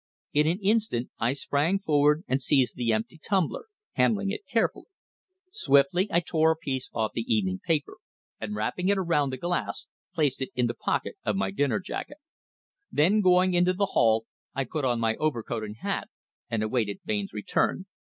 In an instant I sprang forward and seized the empty tumbler, handling it carefully. Swiftly, I tore a piece off the evening paper, and wrapping it around the glass, placed it in the pocket of my dinner jacket. Then, going into the hall, I put on my overcoat and hat, and awaited Bain's return.